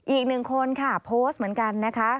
อีกหนึ่งคนค่ะโพสต์เหมือนกันนะคะ